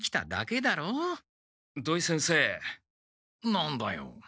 何だよ？